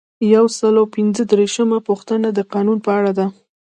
یو سل او پنځه دیرشمه پوښتنه د قانون په اړه ده.